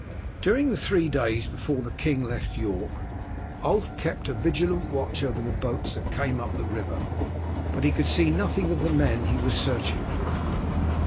During the three days before the king left York Ulf kept a vigilant watch over the boats that came up the river, but he could see nothing of the men he was searching for.